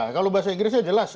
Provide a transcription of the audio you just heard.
kalau bahasa inggrisnya jelas